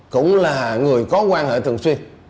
cũng là người có quan hệ thường xuyên